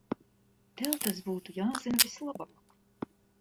Tev tas būtu jāzina vislabāk.